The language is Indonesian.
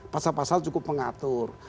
pasal pasal cukup mengatur